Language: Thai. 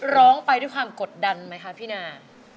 ร้องไปด้วยความกดดันไหมคะพี่นา